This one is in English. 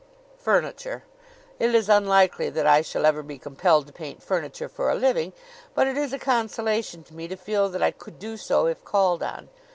"Furniture. It is unlikely that I shall ever be compelled to paint furniture for a living, but it is a consolation to me to feel that I could do so if called on.